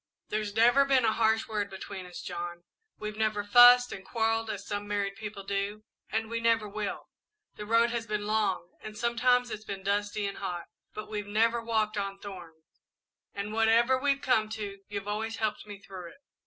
"There's never been a harsh word between us, John; we've never fussed and quarrelled as some married people do, and we never will. The road has been long, and sometimes it's been dusty and hot, but we've never walked on thorns, and whatever we've come to, you've always helped me through it.